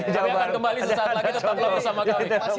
kami akan kembali sesaat lagi tetap lagi sama kami